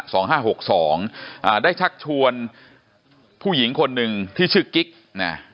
สองห้าหกสองอ่าได้ชักชวนผู้หญิงคนหนึ่งที่ชื่อกิ๊กนะ